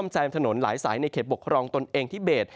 แซมถนนหลายสายในเขตปกครองตนเองทิเบส